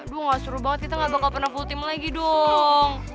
aduh gak seru banget kita gak bakal pernah full team lagi dong